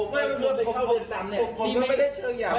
คุณตำรวจจับผมหน่อยผมสูบกัญชามา